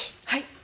はい。